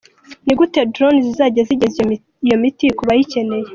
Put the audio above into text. Ni gute Drones zizajya zigeza iyo miti ku bayikeneye?.